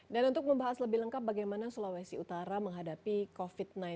dan untuk membahas lebih lengkap bagaimana sulawesi utara menghadapi covid sembilan belas